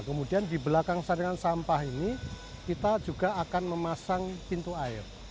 kemudian di belakang saringan sampah ini kita juga akan memasang pintu air